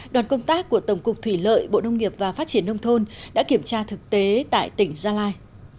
đoàn công tác của tổng cục thủy lợi bộ nông nghiệp và phát triển nông thôn đã kiểm tra thực tế tại tỉnh gia lai